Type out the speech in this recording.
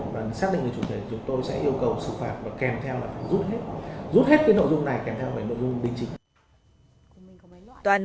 và xác định về chủ thể chúng tôi sẽ yêu cầu xử phạt và kèm theo là rút hết rút hết cái nội dung này kèm theo về nội dung đình trình